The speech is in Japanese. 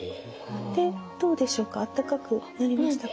でどうでしょうか温かくなりましたか？